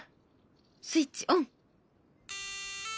スイッチオン！